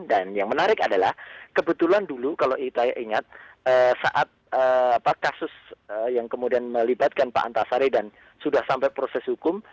dan yang menarik adalah kebetulan dulu kalau saya ingat saat kasus yang kemudian melibatkan pak antasari dan sudah sampai proses hukum